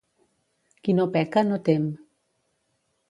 Qui no peca, no tem.